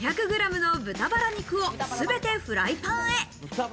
５００グラムの豚バラ肉を全てフライパンへ。